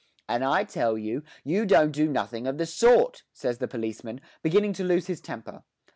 'And I tell you you don't do nothing of the sort,' says the policeman, beginning to lose his temper.